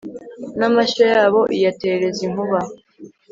n'amashyo yabo iyaterereza inkuba